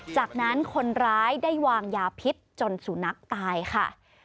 จากนั้นคนร้ายได้วางยาพิษจนสุนัขตายค่ะ